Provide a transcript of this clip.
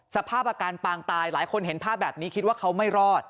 สภาพอาการปางตายหลายคนเห็นภาพแบบนี้คิดว่าเขาไม่รอด